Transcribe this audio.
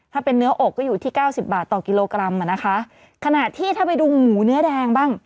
ถ้าเป็นเนื้ออกก็อยู่ที่เก้าสิบบาทต่อกิโลกรัมอ่ะนะคะขณะที่ถ้าไปดูหมูเนื้อแดงบ้าง